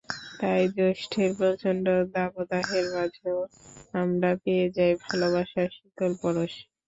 তাই জ্যৈষ্ঠের প্রচণ্ড দাবদাহের মাঝেও আমরা পেয়ে যাই ভালোবাসার শীতল পরশ।